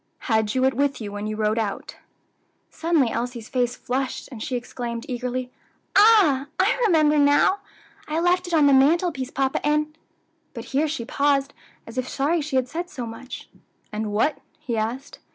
Had you it with you when you rode out?" Suddenly Elsie's face flushed, and she exclaimed Eagerly, "Ah! I remember now! I left it on the mantelpiece, papa, and " But here she paused, as if sorry she had said so much. "And what?" he asked.